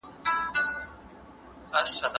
نو تېروتنې دې کمېږي.